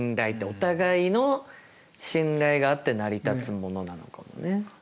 お互いの信頼があって成り立つものなのかもね。